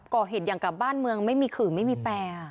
ก่อเหตุอย่างกับบ้านเมืองไม่มีขื่อไม่มีแปร